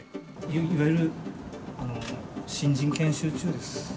いわゆる新人研修中です。